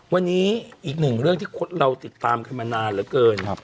วันนี้อีกหนึ่งเรื่องที่เราติดตามกันมานานเหลือเกิน